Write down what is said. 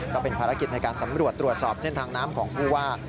ก็เป็นภารกิจในการสำรวจตรวจสอบเส้นทางน้ำของผู้ว่า